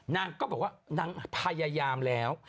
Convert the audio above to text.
นางก็บอกว่านางพยายามแล้ว